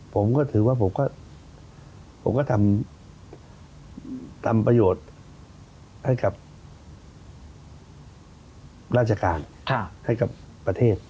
ผมก็ถือว่าผมก็ทำประโยชน์ให้กับราชการให้กับประเทศ